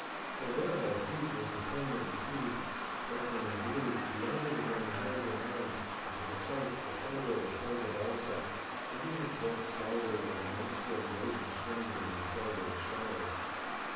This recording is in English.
For there at our feet was the plain of the sea, sparkling and blue, beyond it again the hills of Arran, and to the south the shoulder of the Craig of Ailsa, heaving its bulk skyward like a monster of the ocean stranded in the shoreward shallows.